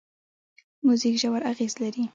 موزیک ژور اغېز لري.